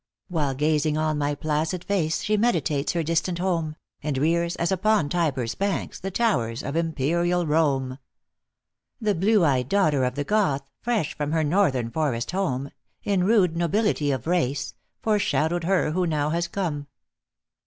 While gazing on my placid face, She meditates her distant home ; And rears, as upon Tiber s banks, The towers of imperial Rome. The blue eyed daughter of the Goth, Fresh from her northern forest home, In rude nobility of race, Foreshadowed her who now has come.